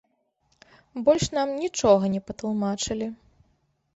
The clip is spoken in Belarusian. Больш нам нічога не патлумачылі.